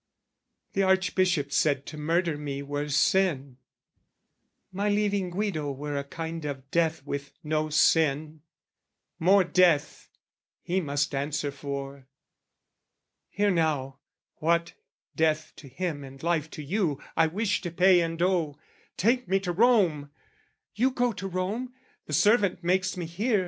"The Archbishop said to murder me were sin: "My leaving Guido were a kind of death "With no sin, more death, he must answer for. "Hear now what death to him and life to you "I wish to pay and owe. Take me to Rome! "You go to Rome, the servant makes me hear.